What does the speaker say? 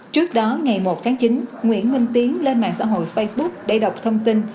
trước đó ngày một tháng chín nguyễn minh tiến lên mạng xã hội facebook để đọc thông tin